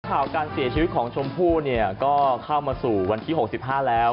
ข่าวการเสียชีวิตของชมพู่เนี่ยก็เข้ามาสู่วันที่๖๕แล้ว